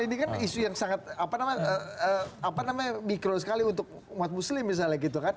ini kan isu yang sangat mikro sekali untuk umat muslim misalnya gitu kan